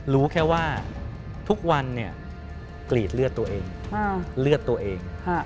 รู้แค่ว่าทุกวันกรีดเลือดตัวเอง